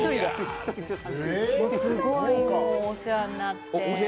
すごいお世話になって。